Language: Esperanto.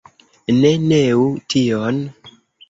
Ne neu tion.